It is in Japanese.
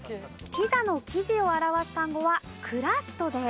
ピザの生地を表す単語はｃｒｕｓｔです。